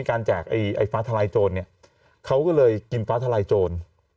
แจกไอ้ฟ้าทลายโจรเนี่ยเขาก็เลยกินฟ้าทลายโจร